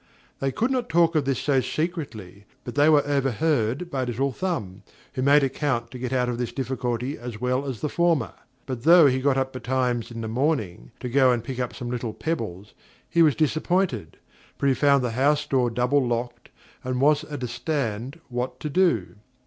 They could not talk of this so secretly, but they were overheard by Little Thumb, who made account to get out of this difficulty as well as the former; but though he got up betimes in the morning, to go and pick up some little pebbles, he was disappointed; for he found the house door double locked, and was at a stand what to do.